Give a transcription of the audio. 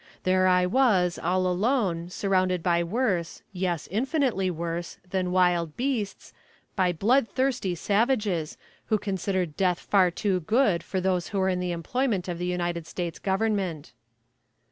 There I was, all alone, surrounded by worse, yes, infinitely worse, than wild beasts by blood thirsty savages who considered death far too good for those who were in the employment of the United States Government.